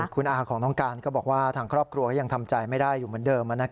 คุณอาของน้องการก็บอกว่าทางครอบครัวก็ยังทำใจไม่ได้อยู่เหมือนเดิม